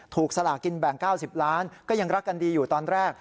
สลากินแบ่ง๙๐ล้านก็ยังรักกันดีอยู่ตอนแรก